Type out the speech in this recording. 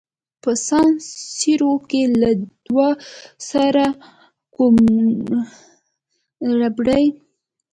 په سان سیرو کې له دوی سره کوم ربړي مانع نه وو.